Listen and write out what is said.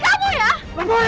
jangan berangkut ya